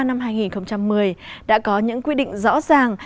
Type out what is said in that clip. năm hai nghìn một mươi đã có những quy định rõ ràng